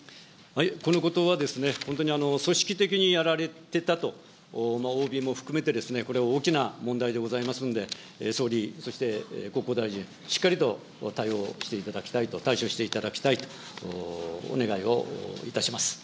このことは、本当に組織的にやられてたと、ＯＢも含めてこれは大きな問題でございますので、総理、そして、国交大臣、しっかりと対応していただきたいと、対処していただきたいとお願いをいたします。